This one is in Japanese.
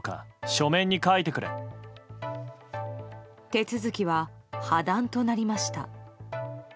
手続きは破談となりました。